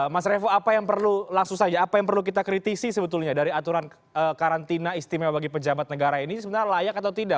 mas revo apa yang perlu kita kritisi sebetulnya dari aturan karantina istimewa bagi pejabat negara ini sebenarnya layak atau tidak